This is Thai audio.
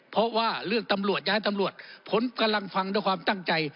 เพราะว่าเลือกตำรวจย้ายตำรวจผมกำลังฟังด้วยความตั้งใจ